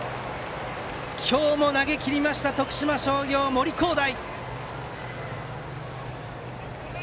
今日も投げ切りました徳島商業の森煌誠！